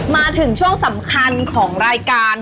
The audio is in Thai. มาถึงช่วงสำคัญของรายการ